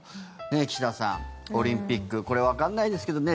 岸田さん、オリンピックこれ、わかんないですけどね